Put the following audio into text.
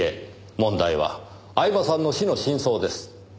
問題は饗庭さんの死の真相です。